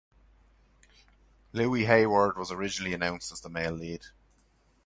Louis Hayward was originally announced as the male lead.